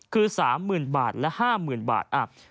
คือ๓๐๐๐บาทและ๕๐๐๐บาท